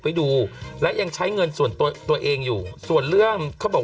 ไปดูและยังใช้เงินส่วนตัวตัวเองอยู่ส่วนเรื่องเขาบอก